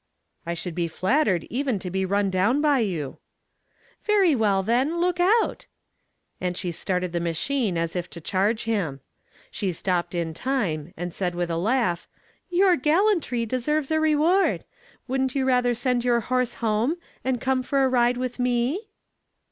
"I should be flattered even to be run down by you." "Very well, then, look out." And she started the machine as if to charge him. She stopped in time, and said with a laugh, "Your gallantry deserves a reward. Wouldn't you rather send your horse home and come for a ride with me?"